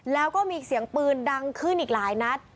แล้วก็มีเสียงปืนดังขึ้นอีกหลายนัด